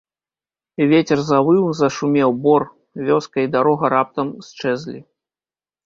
Вецер завыў, зашумеў бор, вёска і дарога раптам счэзлі.